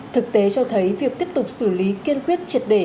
thực tế cho thấy việc tiếp tục xử lý kiên quyết triệt để